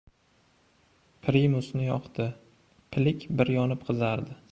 Primusni yoqdi. Pilik bir yonib qizardi.